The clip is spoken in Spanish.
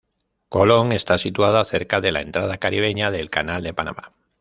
Colón está situada cerca de la entrada caribeña del canal de Panamá.